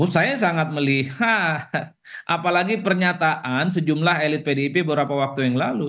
saya sangat melihat apalagi pernyataan sejumlah elit pdip beberapa waktu yang lalu